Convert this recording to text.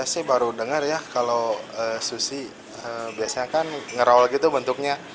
saya sih baru dengar ya kalau susi biasanya kan ngerawal gitu bentuknya